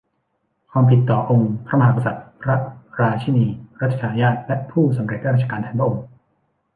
ความผิดต่อองค์พระมหากษัตริย์ พระราชินี รัชทายาท และผู้สำเร็จราชการแทนพระองค์